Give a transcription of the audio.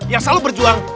yang selalu berjuang